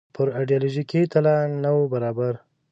پر ایډیالوژیکه تله نه وو برابر.